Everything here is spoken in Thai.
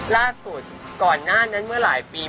ล่าสุดก่อนหน้านั้นเมื่อหลายปี